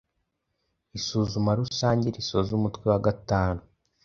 Isuzuma rusange risoza umutwe wa gatanu